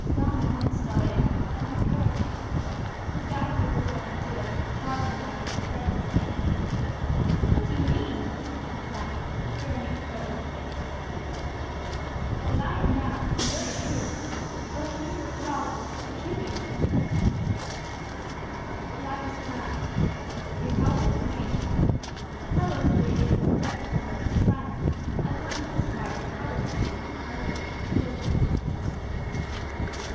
Don Juan started, and his colour changed. His vaguely liberal ideas were far from having prepared him for this. "What do you mean?" he cried, staring at his brother in amazement. "That I am now, in very truth, what I think you would call a Huguenot." The die was cast. The avowal was made. Carlos waited its effects in breathless silence, as one who has fired a powder magazine might await the explosion.